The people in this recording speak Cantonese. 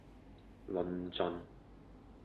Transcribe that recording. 論盡